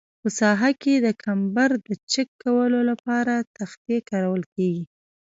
په ساحه کې د کمبر د چک کولو لپاره تختې کارول کیږي